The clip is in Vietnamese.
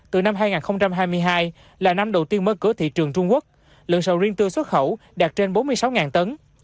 từ năm hai nghìn hai mươi hai là năm đầu tiên mở cửa thị trường trung quốc lượng sầu riêng tươi xuất khẩu đạt trên bốn mươi sáu tấn